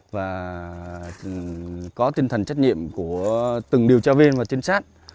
và có tinh thần trách nhiệm của từng điều tra viên và trinh sát